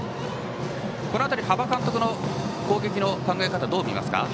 この辺り、端場監督の攻撃の考え方、どう見ますか？